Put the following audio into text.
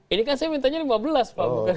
ini kan saya mintanya lima belas pak bukan sepuluh